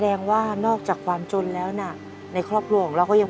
ตอนนั้นติดหนักขนาดเล่นทุกวันทุกคืน